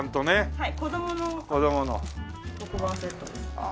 はい。